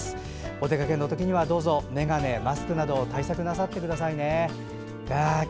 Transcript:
お出かけの時は眼鏡、マスクなど対策をなさってください。